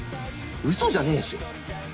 嘘じゃねえし！